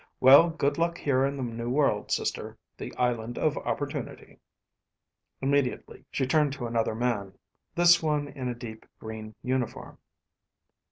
"Well, good luck here in the New World, sister, the Island of Opportunity." Immediately she turned to another man, this one in a deep green uniform.